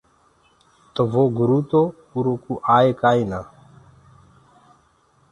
تو وو گُروُ تو اُرو ڪوُ آئو ڪوُ ئي ڪآئي نآ آئي۔